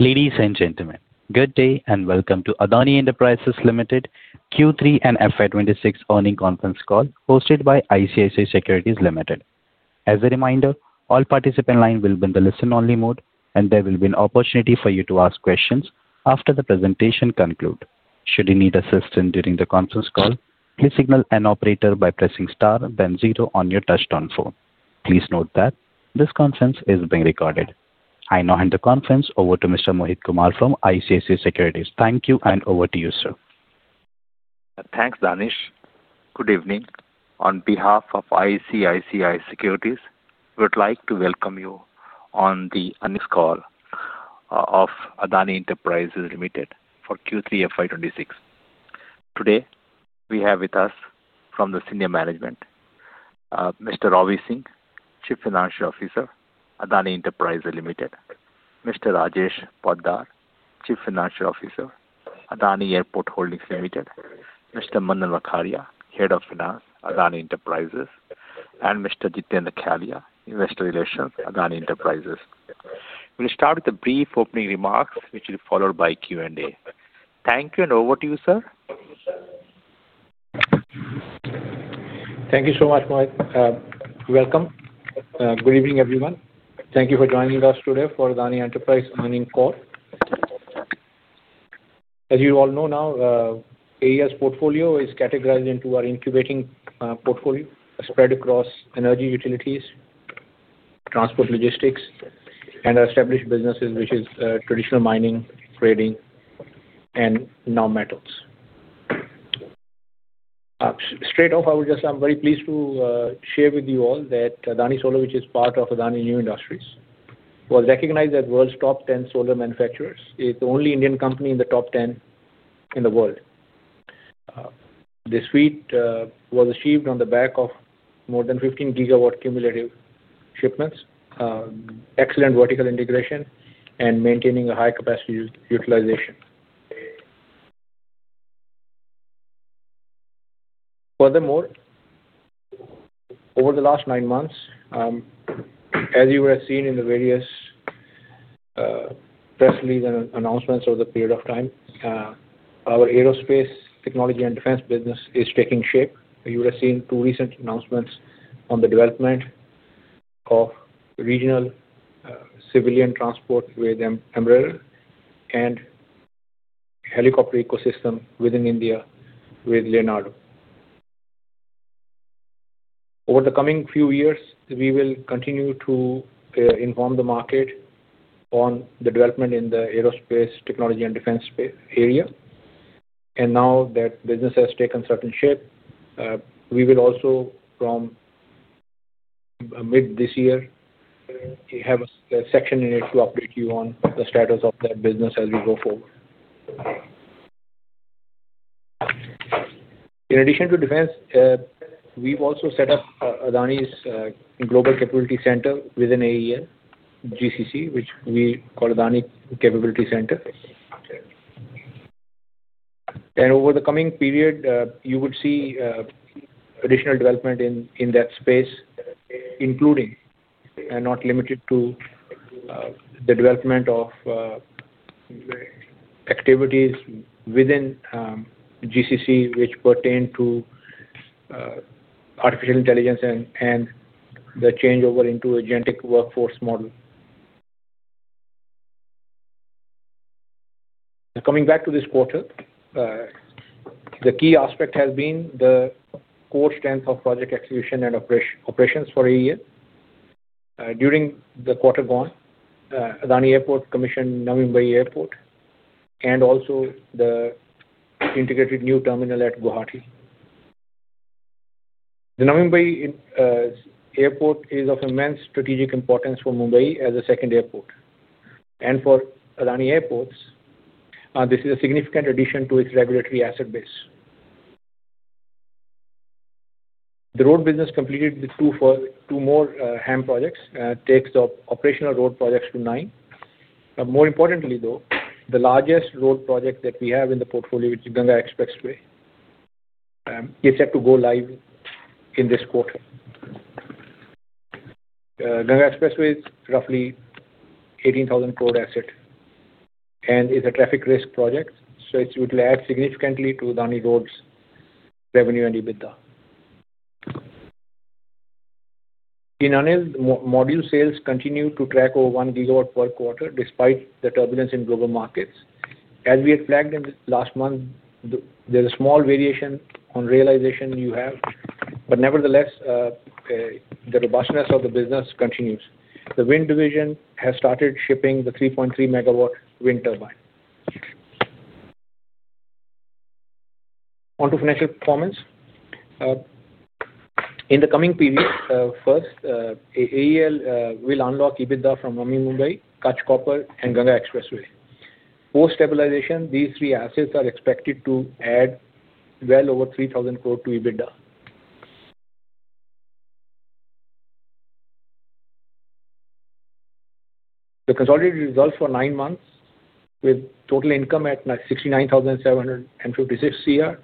Ladies and gentlemen, good day, and welcome to Adani Enterprises Limited Q3 and FY 2026 Earnings Conference Call, hosted by ICICI Securities Limited. As a reminder, all participant line will be in the listen-only mode, and there will be an opportunity for you to ask questions after the presentation conclude. Should you need assistance during the conference call, please signal an operator by pressing star then zero on your touchtone phone. Please note that this conference is being recorded. I now hand the conference over to Mr. Mohit Kumar from ICICI Securities. Thank you, and over to you, sir. Thanks, Danish. Good evening. On behalf of ICICI Securities, we would like to welcome you on the earnings call of Adani Enterprises Limited for Q3 FY26. Today, we have with us from the senior management, Mr. Robbie Singh, Chief Financial Officer, Adani Enterprises Limited, Mr. Rajesh Poddar, Chief Financial Officer, Adani Airport Holdings Limited, Mr. Manan Vakharia, Head of Finance, Adani Enterprises, and Mr. Jitendra Khyalia, Investor Relations, Adani Enterprises. We'll start with a brief opening remarks, which will be followed by Q&A. Thank you, and over to you, sir. Thank you so much, Mohit. Welcome. Good evening, everyone. Thank you for joining us today for Adani Enterprises earnings call. As you all know now, AEL's portfolio is categorized into our incubating portfolio spread across energy utilities, transport logistics, and established businesses, which is traditional mining, trading, and minerals. Straight off, I would just. I'm very pleased to share with you all that Adani Solar, which is part of Adani New Industries, was recognized as world's top 10 solar manufacturers. It's the only Indian company in the top 10 in the world. This feat was achieved on the back of more than 15 gigawatt cumulative shipments, excellent vertical integration, and maintaining a high capacity utilization. Furthermore, over the last nine months, as you would have seen in the various press releases and announcements over the period of time, our aerospace technology and defense business is taking shape. You would have seen two recent announcements on the development of regional civilian transport with Embraer and helicopter ecosystem within India with Leonardo. Over the coming few years, we will continue to inform the market on the development in the aerospace technology and defense area. And now that business has taken certain shape, we will also from mid this year have a section in it to update you on the status of that business as we go forward. In addition to defense, we've also set up Adani's Global Capability Center within AEL, GCC, which we call Adani Capability Center. Over the coming period, you would see additional development in that space, including, and not limited to, the development of activities within GCC, which pertain to artificial intelligence and the changeover into agentic workforce model. Coming back to this quarter, the key aspect has been the core strength of project execution and operations for AEL. During the quarter gone, Adani Airports commissioned Navi Mumbai Airport and also the integrated new terminal at Guwahati. The Navi Mumbai Airport is of immense strategic importance for Mumbai as a second airport, and for Adani Airports, this is a significant addition to its regulatory asset base. The road business completed two more HAM projects, takes the operational road projects to nine. But more importantly, though, the largest road project that we have in the portfolio, which is Ganga Expressway, is set to go live in this quarter. Ganga Expressway is roughly 18,000 crore asset and is a traffic risk project, so it would add significantly to Adani Roads revenue and EBITDA. In ANIL, module sales continue to track over 1 GW per quarter, despite the turbulence in global markets. As we had flagged in last month, there's a small variation on realization you have, but nevertheless, the robustness of the business continues. The wind division has started shipping the 3.3 MW wind turbine. On to financial performance. In the coming period, first, AEL will unlock EBITDA from Navi Mumbai, Kutch Copper, and Ganga Expressway. Post stabilization, these three assets are expected to add well over 3,000 crore to EBITDA. The consolidated results for nine months with total income at 96,976 crore,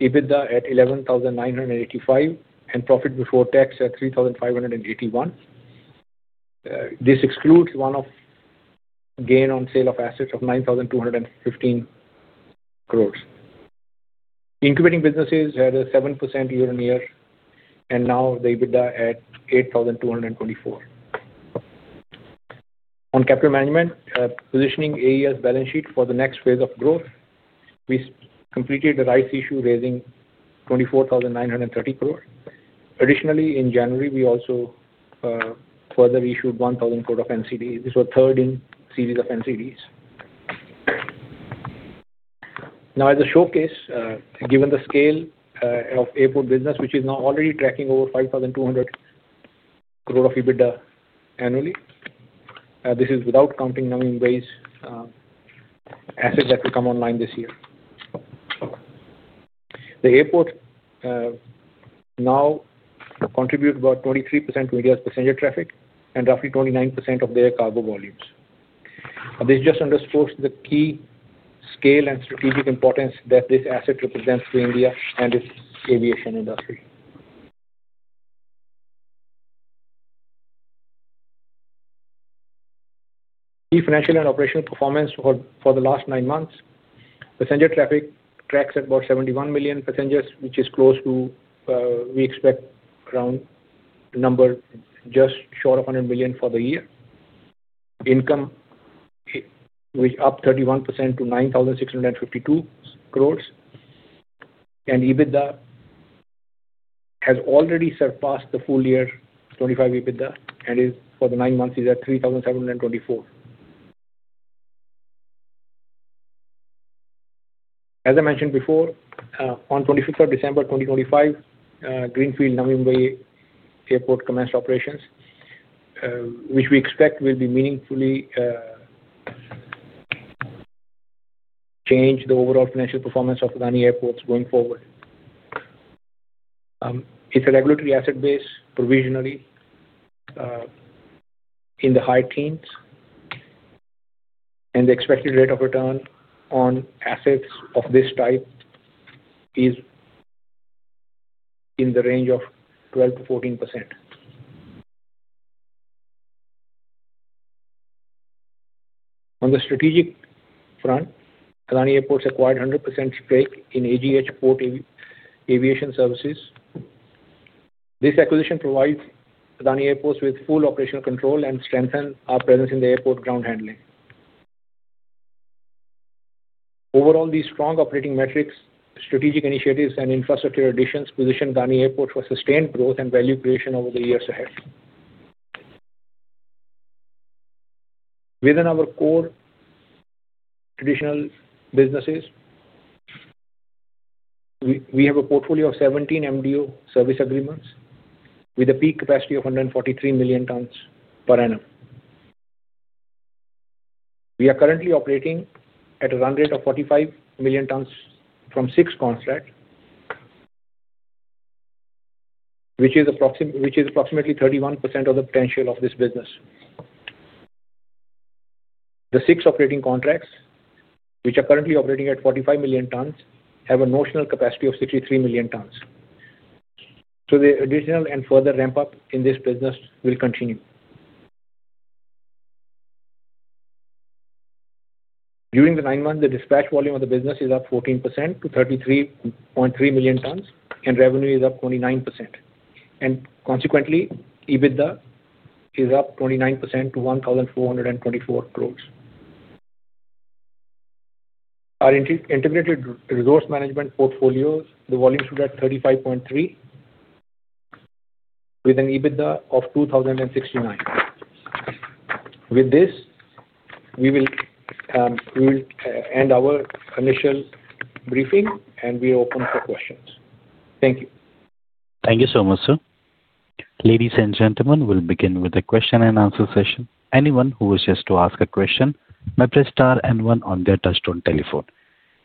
EBITDA at 11,985 crore, and profit before tax at 3,581 crore. This excludes one-off gain on sale of assets of 9,215 crore. Incubating businesses had a 7% year-on-year, and now the EBITDA at 8,224 crore. On capital management, positioning AEL's balance sheet for the next phase of growth, we completed the rights issue, raising 24,930 crore. Additionally, in January, we also further issued 1,000 crore of NCD. This was third in series of NCDs. Now, as a showcase, given the scale of airport business, which is now already tracking over 5,200 crore of EBITDA annually, this is without counting Navi Mumbai's assets that will come online this year. The airport now contribute about 23% to India's passenger traffic and roughly 29% of their cargo volumes. This just underscores the key scale and strategic importance that this asset represents to India and its aviation industry. The financial and operational performance for the last nine months, passenger traffic tracks at about 71 million passengers, which is close to, we expect around the number just short of 100 million for the year. Income is up 31% to 9,652 crore, and EBITDA has already surpassed the full year 2025 EBITDA and is for the nine months is at 3,724 crore. As I mentioned before, on 25th of December 2025, Greenfield Navi Mumbai Airport commenced operations, which we expect will be meaningfully change the overall financial performance of Adani Airports going forward. It's a regulatory asset base provisionally in the high teens, and the expected rate of return on assets of this type is in the range of 12%-14%. On the strategic front, Adani Airports acquired 100% stake in AGH Port Aviation Services. This acquisition provides Adani Airports with full operational control and strengthen our presence in the airport ground handling. Overall, these strong operating metrics, strategic initiatives, and infrastructure additions position Adani Airport for sustained growth and value creation over the years ahead. Within our core traditional businesses, we have a portfolio of 17 MDO service agreements with a peak capacity of 143 million tons per annum. We are currently operating at a run rate of 45 million tons from six contracts, which is approximately 31% of the potential of this business. The six operating contracts, which are currently operating at 45 million tons, have a notional capacity of 63 million tons. So the additional and further ramp-up in this business will continue. During the nine months, the dispatch volume of the business is up 14% to 33.3 million tons, and revenue is up 29%. Consequently, EBITDA is up 29% to 1,424 crore. Our integrated resource management portfolios, the volume stood at 35.3, with an EBITDA of 2,069 crore. With this, we will end our initial briefing and we are open for questions. Thank you. Thank you so much, sir. Ladies and gentlemen, we'll begin with the question and answer session. Anyone who wishes to ask a question may press star and one on their touchtone telephone.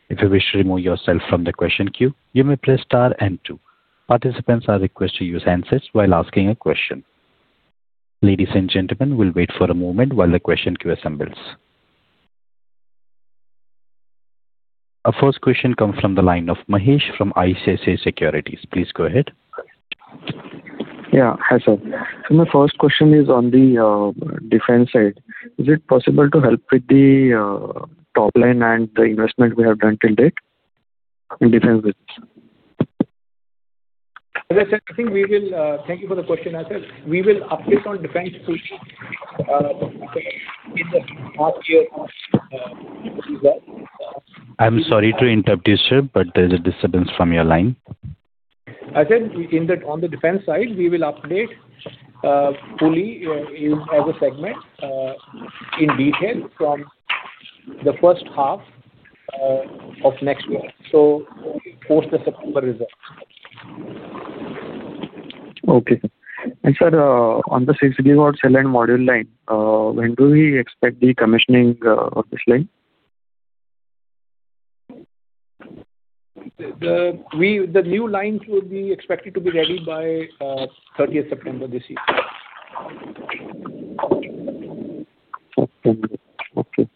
If you wish to remove yourself from the question queue, you may press star and two. Participants are requested to use handsets while asking a question. Ladies and gentlemen, we'll wait for a moment while the question queue assembles. Our first question comes from the line of Mahesh from ICICI Securities. Please go ahead. Yeah. Hi, sir. So my first question is on the defense side. Is it possible to help with the top line and the investment we have done till date in defense business? As I said, I think we will. Thank you for the question, Mahesh. We will update on defense fully, in the half-year results. I'm sorry to interrupt you, sir, but there's a disturbance from your line. I said, on the defense side, we will update fully, as a segment, in detail from the first half of next year, so post the September results. Okay, sir. And sir, on the 60 watts cell and module line, when do we expect the commissioning of this line? The new lines will be expected to be ready by 30th September this year. September. Okay.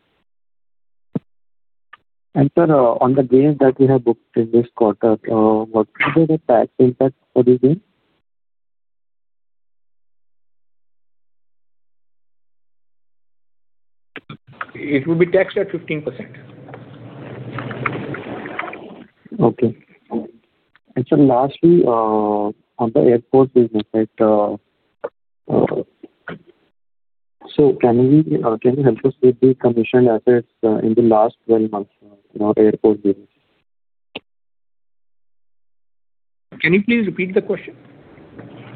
Sir, on the gains that you have booked in this quarter, what is the tax impact for these gains? It will be taxed at 15%. Okay. And sir, lastly, on the airport business, right, so can you help us with the commissioned assets in the last 12 months in our airport business? Can you please repeat the question?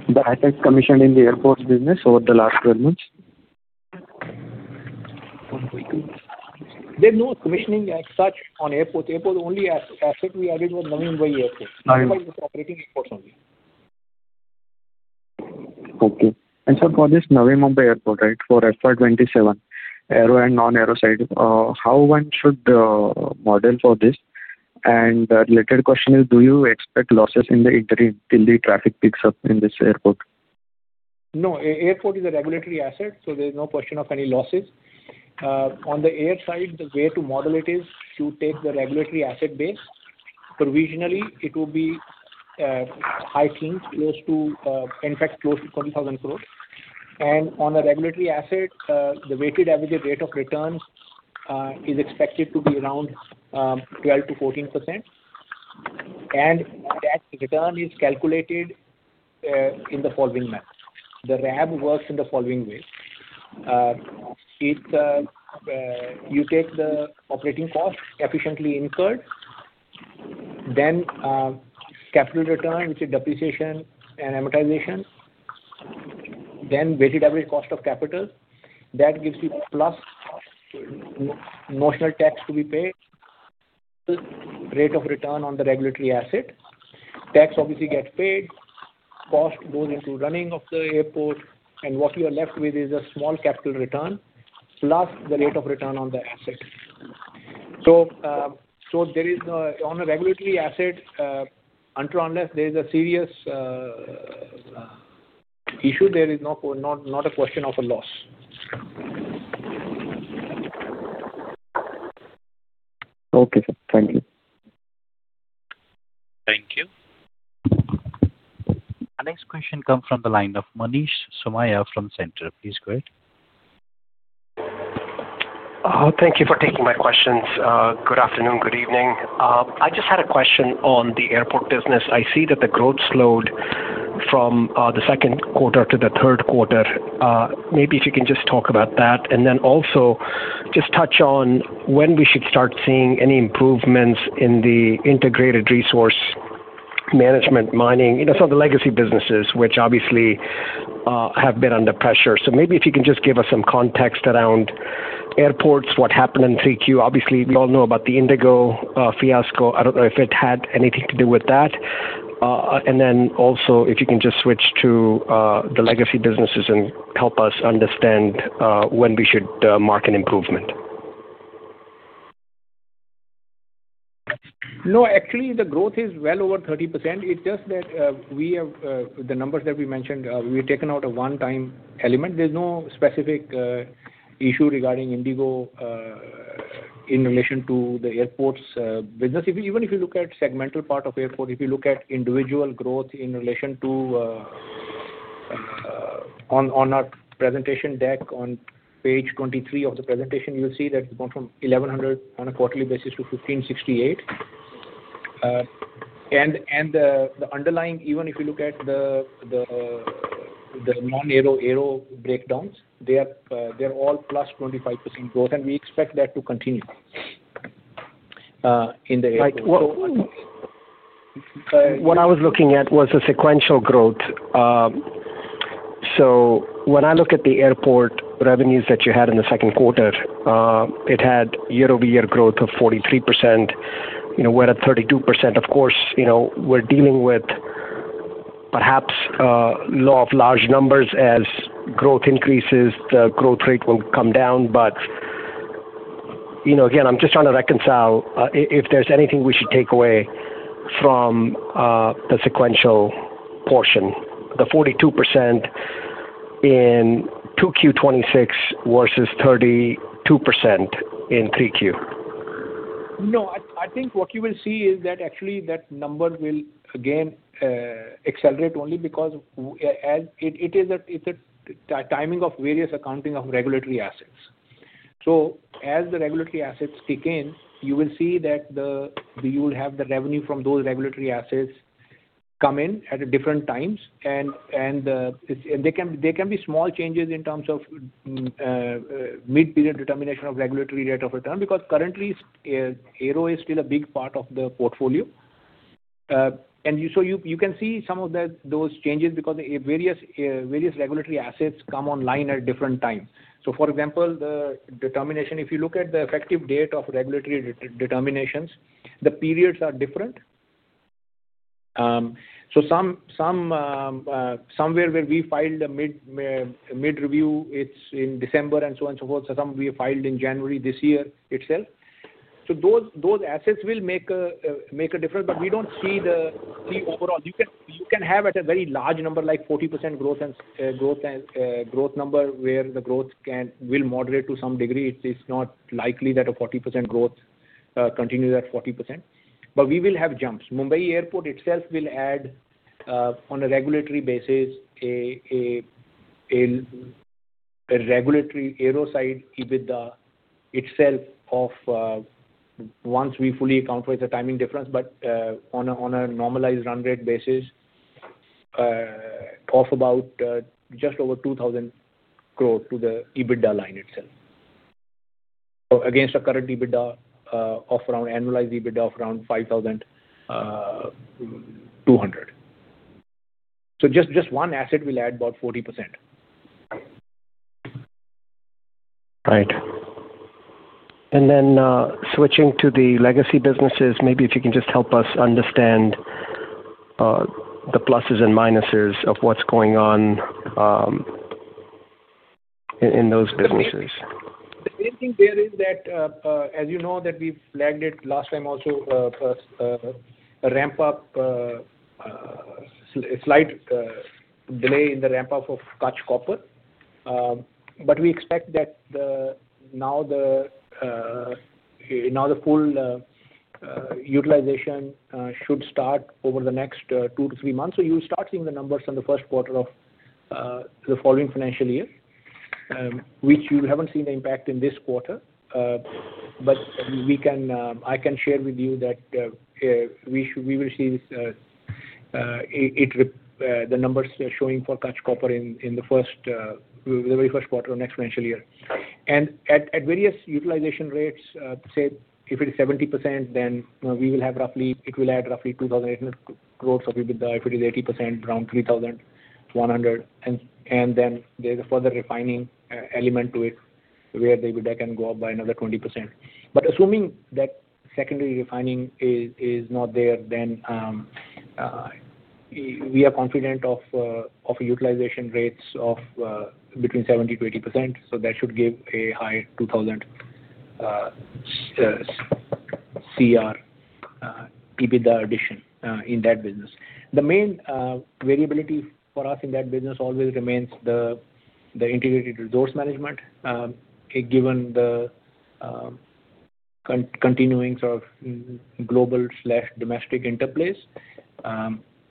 The assets commissioned in the airport business over the last 12 months. There's no commissioning as such on airport. Airport, only asset we added was Navi Mumbai Airport. Operating airports only. Okay. And sir, for this Navi Mumbai Airport, right, for FY 27, aero and non-aero side, how one should model for this? And the related question is, do you expect losses in the interim till the traffic picks up in this airport? No, airport is a regulatory asset, so there's no question of any losses. On the air side, the way to model it is to take the regulatory asset base. Provisionally, it will be, I think, close to, in fact, close to 20,000 crore. On the regulatory asset, the weighted average rate of returns is expected to be around 12%-14%. That return is calculated in the following manner. The RAB works in the following way: you take the operating costs efficiently incurred, then capital return, which is depreciation and amortization, then weighted average cost of capital. That gives you plus notional tax to be paid, rate of return on the regulatory asset. Tax obviously gets paid, cost goes into running of the airport, and what you are left with is a small capital return, plus the rate of return on the asset. So, there is, on a regulatory asset, until or unless there is a serious issue, there is no question of a loss. Okay, sir. Thank you. Thank you. Our next question comes from the line of Manish Somaiya from Cantor Fitzgerald. Please go ahead. Thank you for taking my questions. Good afternoon, good evening. I just had a question on the airport business. I see that the growth slowed from the second quarter to the third quarter. Maybe if you can just talk about that, and then also just touch on when we should start seeing any improvements in the integrated resource management, mining, you know, so the legacy businesses, which obviously have been under pressure. So maybe if you can just give us some context around airports, what happened in 3Q. Obviously, we all know about the IndiGo fiasco. I don't know if it had anything to do with that. And then also if you can just switch to the legacy businesses and help us understand when we should mark an improvement. No, actually, the growth is well over 30%. It's just that, we have, the numbers that we mentioned, we've taken out a one-time element. There's no specific issue regarding IndiGo, in relation to the airports business. If you—even if you look at segmental part of airport, if you look at individual growth in relation to, on, on our presentation deck, on page 23 of the presentation, you'll see that it's gone from 1,100 on a quarterly basis to 1,568. And, and the, the, the non-aero aero breakdowns, they are, they're all plus 25% growth, and we expect that to continue, in the airport. Right. What I was looking at was the sequential growth. So when I look at the airport revenues that you had in the second quarter, it had year-over-year growth of 43%, you know, we're at 32%. Of course, you know, we're dealing with perhaps, law of large numbers. As growth increases, the growth rate will come down. But, you know, again, I'm just trying to reconcile, if there's anything we should take away from, the sequential portion, the 42% in 2Q '26 versus 32% in 3Q. No, I think what you will see is that actually that number will again accelerate only because as it is a, it's a timing of various accounting of regulatory assets. So as the regulatory assets kick in, you will see that you will have the revenue from those regulatory assets come in at different times. There can be small changes in terms of mid-period determination of regulatory rate of return. Because currently, aero is still a big part of the portfolio. So you can see some of those changes because the various regulatory assets come online at different times. So for example, the determination, if you look at the effective date of regulatory determinations, the periods are different. So some somewhere where we filed a mid, mid review, it's in December and so on and so forth. So some we filed in January this year itself. So those, those assets will make a, make a difference. But we don't see the, see overall, you can, you can have at a very large number, like 40% growth and, growth and, growth number, where the growth can-- will moderate to some degree. It is not likely that a 40% growth continues at 40%. But we will have jumps. Mumbai Airport itself will add, on a regulatory basis, a, a, a, a regulatory aero side EBITDA itself of, once we fully account for the timing difference. On a normalized run rate basis of about just over 2,000 crore to the EBITDA line itself. Against our current EBITDA of around annualized EBITDA of around 5,200 crore. Just one asset will add about 40%. Right. And then, switching to the legacy businesses, maybe if you can just help us understand, the pluses and minuses of what's going on, in those businesses. The main thing there is that, as you know, that we've flagged it last time also, a slight delay in the ramp up of Kutch Copper. But we expect that now the full utilization should start over the next two to three months. So you will start seeing the numbers on the first quarter of the following financial year, which you haven't seen the impact in this quarter. But I can share with you that we will see the numbers showing for Kutch Copper in the very first quarter of next financial year. At various utilization rates, say if it is 70% then, we will have roughly—it will add roughly 2,800 crore of EBITDA. If it is 80%, around 3,100 crore, and then there's a further refining element to it, where the EBITDA can go up by another 20%. But assuming that secondary refining is not there, then we are confident of utilization rates of between 70%-80%, so that should give a high 2,000 crore EBITDA addition in that business. The main variability for us in that business always remains the integrated resource management, given the continuing sort of global/domestic interplays.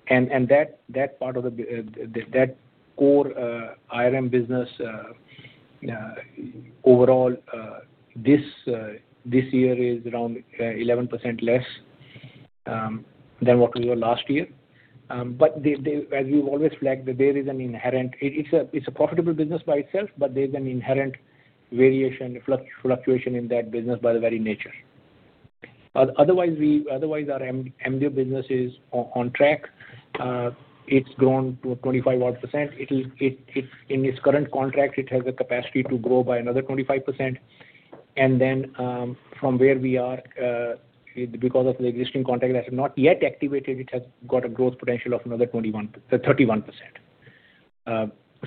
And that part of the business, that core IRM business, overall, this year is around 11% less than what we were last year. But as we've always flagged, that there is an inherent... It's a profitable business by itself, but there's an inherent variation, fluctuation in that business by the very nature. Otherwise, our MDO business is on track. It's grown to 25 odd %. It'll, in its current contract, it has a capacity to grow by another 25%. And then, from where we are, because of the existing contract that has not yet activated, it has got a growth potential of another 21-31%.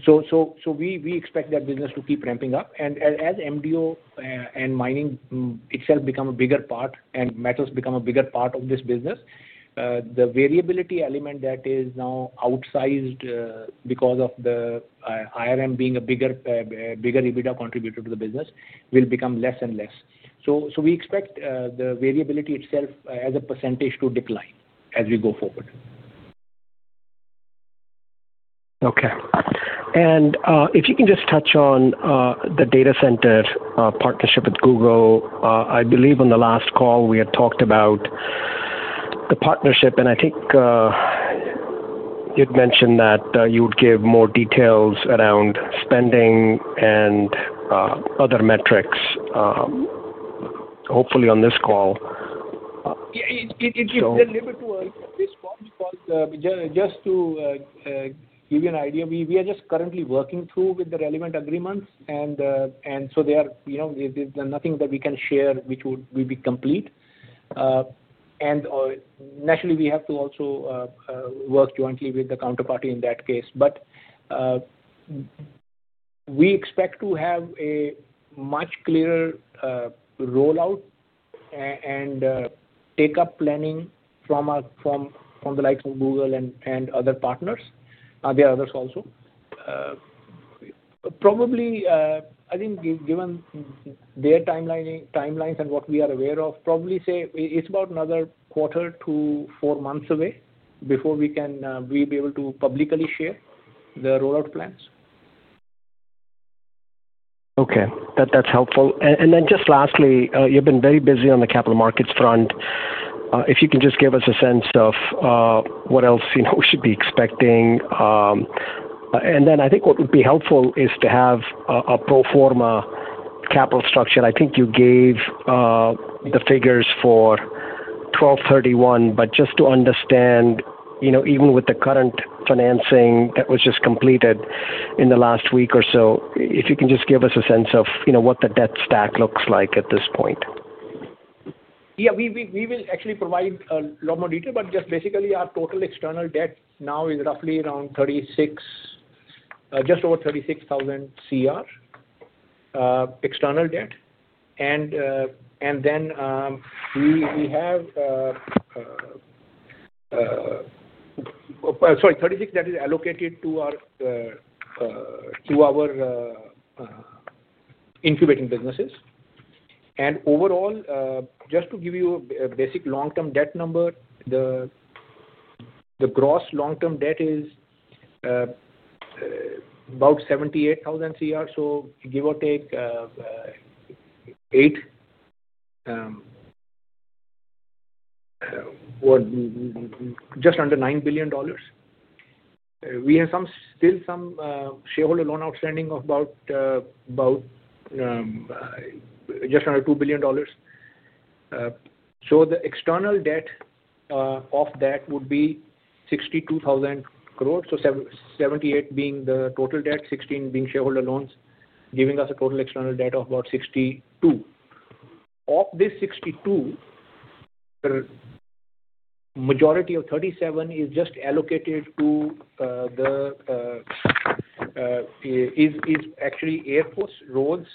So we expect that business to keep ramping up. And as MDO and mining itself become a bigger part, and metals become a bigger part of this business, the variability element that is now outsized because of the IRM being a bigger EBITDA contributor to the business, will become less and less. So we expect the variability itself, as a percentage, to decline as we go forward. Okay. And, if you can just touch on, the data center, partnership with Google. I believe on the last call, we had talked about the partnership, and I think, you'd mentioned that, you would give more details around spending and, other metrics, hopefully on this call. So. A little bit to respond, because just to give you an idea, we are just currently working through with the relevant agreements, and so they are, you know, there's nothing that we can share which would will be complete. And naturally, we have to also work jointly with the counterparty in that case. But we expect to have a much clearer rollout and take-up planning from the likes of Google and other partners. There are others also. Probably I think given their timelines and what we are aware of, probably say it's about another quarter to four months away before we can we'll be able to publicly share the rollout plans. Okay. That, that's helpful. And, and then just lastly, you've been very busy on the capital markets front. If you can just give us a sense of, what else, you know, we should be expecting. And then I think what would be helpful is to have a, a pro forma capital structure. I think you gave the figures for 12/31, but just to understand, you know, even with the current financing that was just completed in the last week or so, if you can just give us a sense of, you know, what the debt stack looks like at this point? We will actually provide a lot more detail, but just basically our total external debt now is roughly around 36, just over 36,000 crore, external debt. And then, we have, sorry, 36 that is allocated to our incubating businesses. And overall, just to give you a basic long-term debt number, the gross long-term debt is about 78,000 crore. So give or take, just under $9 billion. We have some shareholder loan outstanding of about just under $2 billion. So the external debt of that would be 62,000 crore. So 78 being the total debt, 16 being shareholder loans, giving us a total external debt of about 62. Of this 62, majority of 37 is just allocated to, actually, airports, roads,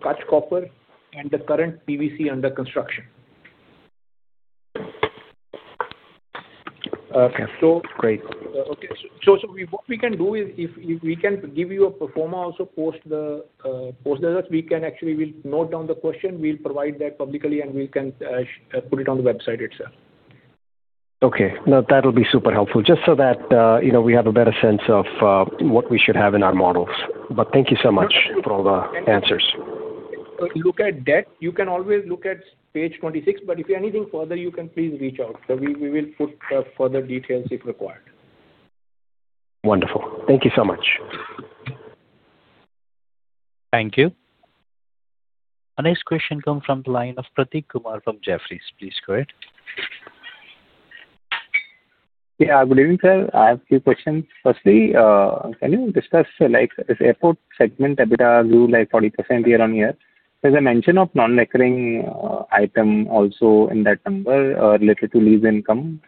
Kutch Copper, and the current PVC under construction. Okay, great. Okay. So what we can do is if we can give you a pro forma also post the results, we can actually, we'll note down the question, we'll provide that publicly, and we can put it on the website itself. Okay. No, that'll be super helpful. Just so that, you know, we have a better sense of what we should have in our models. But thank you so much for all the answers. Look at debt. You can always look at page 26, but if anything further, you can please reach out. So we will put the further details if required. Wonderful. Thank you so much. Thank you. Our next question comes from the line of Pratik Kumar from Jefferies. Please go ahead. Yeah, good evening, sir. I have a few questions. Firstly, can you discuss, like, this airport segment EBITDA grew, like, 40% year-on-year. There's a mention of non-recurring item also in that number, related to lease income.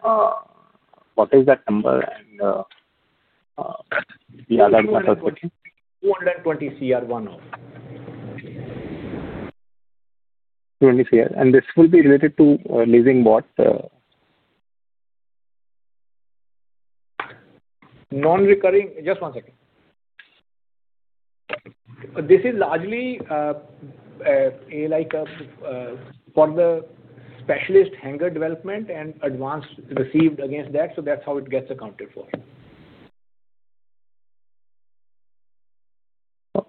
What is that number? And the other numbers. 220 crore one-off. 20 crore. This will be related to leasing what? Non-recurring. Just one second. This is largely, like, for the specialist hangar development and advance received against that, so that's how it gets accounted for.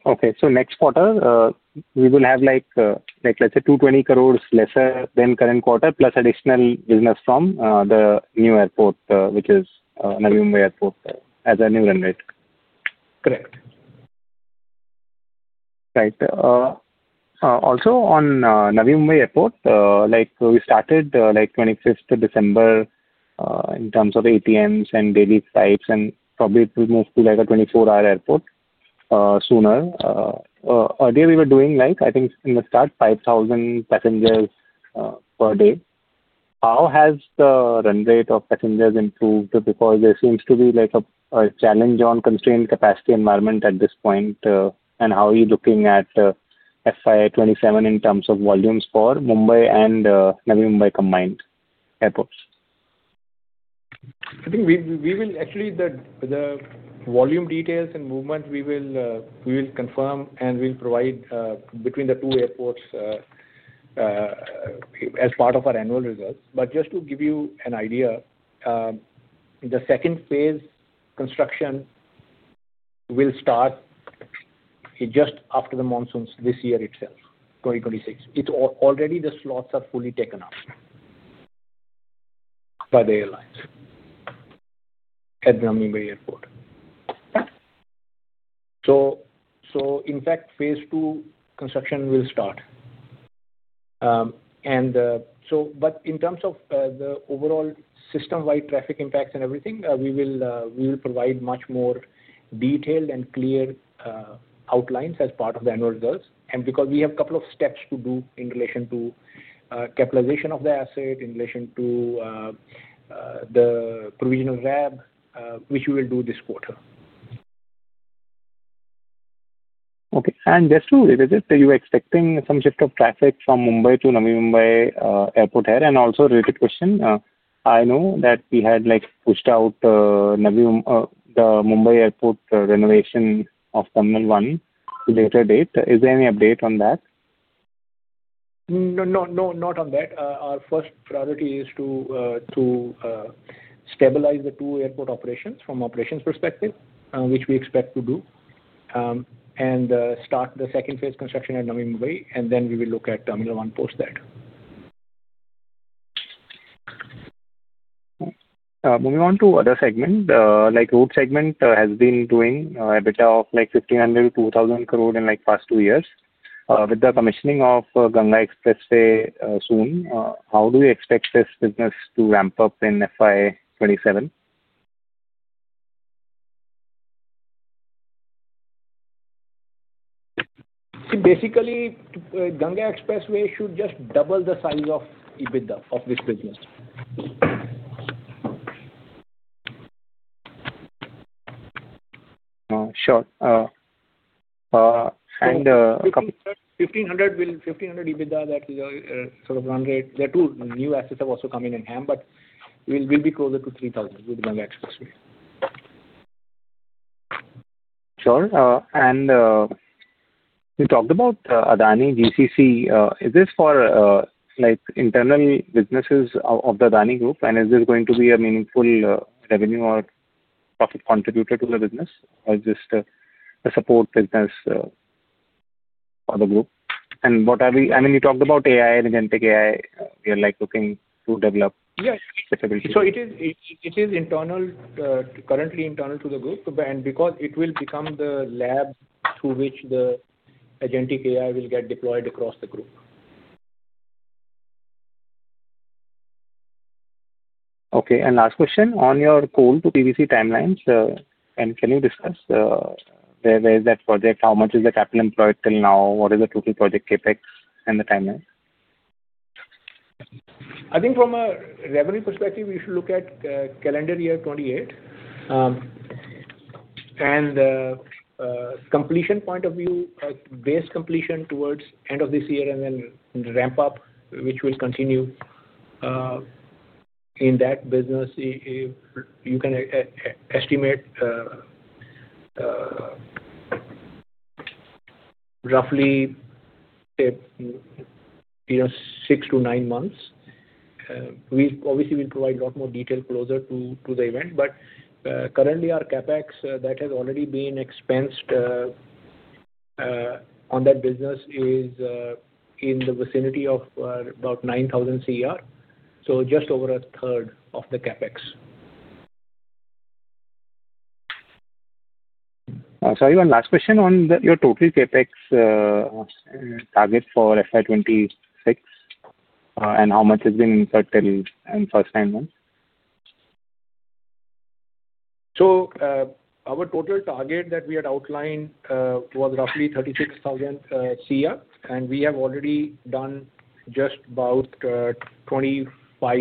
Okay, so next quarter, we will have like, like let's say 220 crore lesser than current quarter, plus additional business from the new airport, which is Navi Mumbai Airport as a new run rate? Correct. Right. Also on Navi Mumbai Airport, like, we started, like 25th December, in terms of ATMs and daily flights and probably it will move to like a 24-hour airport, sooner. Earlier we were doing like, I think in the start, 5,000 passengers per day. How has the run rate of passengers improved? Because there seems to be like a challenge on constrained capacity environment at this point. And how are you looking at FY 2027 in terms of volumes for Mumbai and Navi Mumbai combined airports? I think we will actually the volume details and movement, we will confirm and we'll provide between the two airports as part of our annual results. But just to give you an idea, the second phase construction will start just after the monsoons this year itself, 2026. It's already the slots are fully taken up by the airlines at the Navi Mumbai Airport. So in fact, phase two construction will start. So but in terms of the overall system-wide traffic impacts and everything, we will provide much more detailed and clear outlines as part of the annual results. Because we have a couple of steps to do in relation to capitalization of the asset, in relation to the provisional RAB, which we will do this quarter. Okay. And just to revisit, are you expecting some shift of traffic from Mumbai to Navi Mumbai Airport here? And also a related question, I know that we had, like, pushed out the Mumbai Airport renovation of Terminal one to later date. Is there any update on that? No, no, no, not on that. Our first priority is to stabilize the 2 airport operations from operations perspective, which we expect to do. And start the second phase construction at Navi Mumbai, and then we will look at Terminal 1 post that. Moving on to other segment, like road segment, has been doing EBITDA of like 1,500-INR 2,000 crore in like past 2 years. With the commissioning of Ganga Expressway, soon, how do you expect this business to ramp up in FY 2027? See, basically, Ganga Expressway should just double the size of EBITDA of this business. Sure. INR 1,500 will, INR 1,500 EBITDA, that is, sort of run rate. There are two new assets have also come in HAM, but we will be closer to 3,000 with Ganga Expressway. Sure. And you talked about Adani GCC. Is this for, like, internal businesses of the Adani Group? And is this going to be a meaningful revenue or profit contributor to the business, or just a support business for the group? And what are we-- And then you talked about AI and agentic AI, you're, like, looking to develop capability. So it is internal, currently internal to the group. But and because it will become the lab through which the Agentic AI will get deployed across the group. Okay. And last question, on your coal to PVC timelines, and can you discuss, where is that project? How much is the capital employed till now? What is the total project CapEx and the timeline? I think from a revenue perspective, you should look at calendar year 2028. Completion point of view, base completion towards end of this year and then ramp up, which will continue in that business. If you can estimate roughly, you know, 6-9 months. We obviously will provide a lot more detail closer to the event. But currently our CapEx that has already been expensed on that business is in the vicinity of about 9,000 crore, so just over a third of the CapEx. Sorry, one last question on the, your total CapEx target for FY 2026, and how much has been incurred till in first nine months? Our total target that we had outlined was roughly 36,000 CR, and we have already done just about 25,200. Well,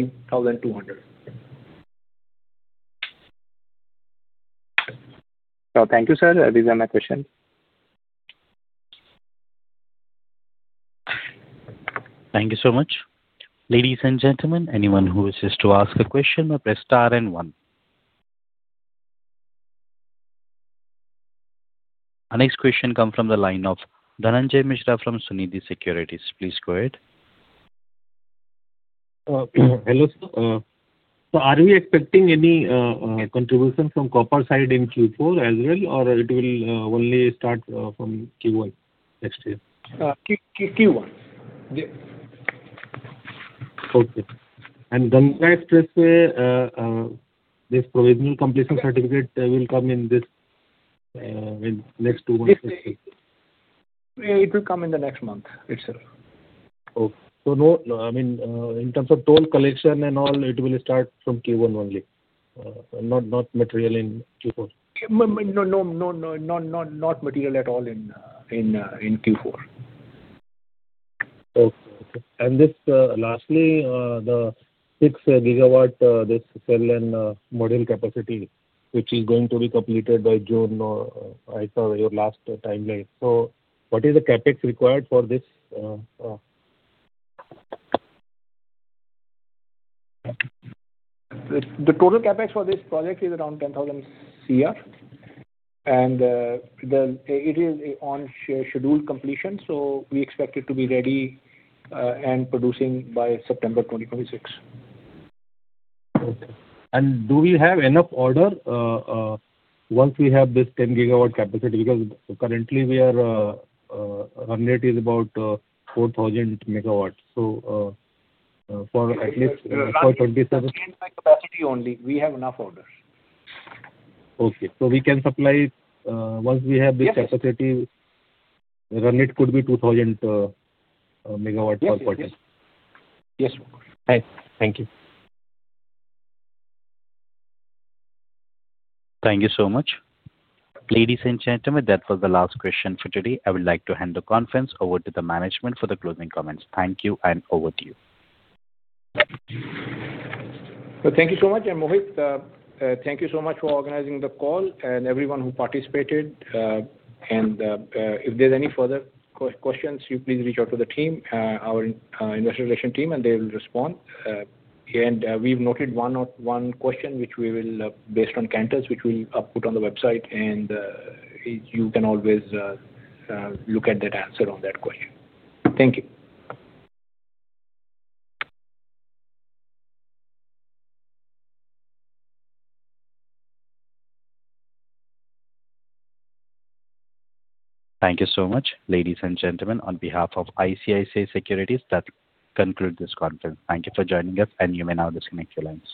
thank you, sir. These are my questions. Thank you so much. Ladies and gentlemen, anyone who wishes to ask a question, press star and one. Our next question come from the line of Dhananjay Mishra from Sunidhi Securities. Please go ahead. Hello, sir. So are we expecting any contribution from copper side in Q4 as well, or it will only start from Q1 next year? Q1. Yeah. Okay. Ganga Expressway, this provisional completion certificate will come in next two months? It will come in the next month itself. Okay. So no, I mean, in terms of toll collection and all, it will start from Q1 only, not material in Q4? No, no, no, no, not, not, not material at all in, in, in Q4. Okay. And this, lastly, the 6 gigawatt this cell and module capacity, which is going to be completed by June, or I saw your last timeline. So what is the CapEx required for this...? The total CapEx for this project is around 10,000 crore, and it is on schedule completion, so we expect it to be ready and producing by September 2026. Okay. And do we have enough orders once we have this 10-gigawatt capacity? Because our current run rate is about 4,000 megawatts. So, for at least 20%- Capacity only, we have enough orders. Okay. So we can supply once we have this capacity, run rate could be 2000 MW per quarter. Yes. Thanks. Thank you. Thank you so much. Ladies and gentlemen, that was the last question for today. I would like to hand the conference over to the management for the closing comments. Thank you, and over to you. Well, thank you so much. Mohit, thank you so much for organizing the call and everyone who participated. If there's any further questions, you please reach out to the team, our investor relations team, and they will respond. We've noted one question, which we will, based on Cantor's, which we'll put on the website, and you can always look at that answer on that question. Thank you. Thank you so much. Ladies and gentlemen, on behalf of ICICI Securities, this concludes this conference. Thank you for joining us, and you may now disconnect your lines.